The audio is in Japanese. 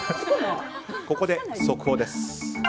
ここで速報です。